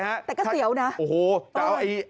แต่ก็เสียวนะ